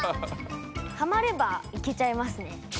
はまればいけちゃいますね。